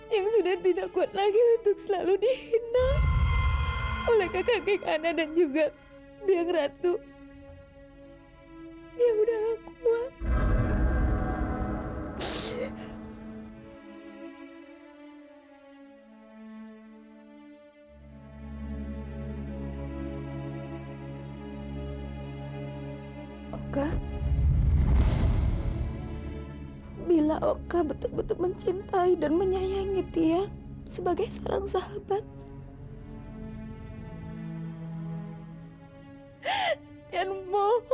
yang sudah tidak kuat lagi untuk selalu dihina oleh kakak giana dan juga biang ratu